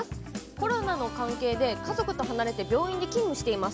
コロナの関係で家族と離れて病院で勤務しています。